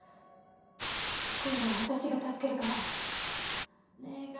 今度は私が助けるから。